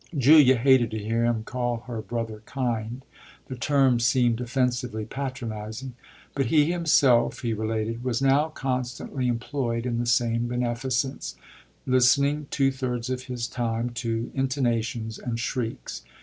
(Julia hated to hear him call her brother "kind": the term seemed offensively patronising.) But he himself, he related, was now constantly employed in the same beneficence, listening two thirds of his time to "intonations" and shrieks.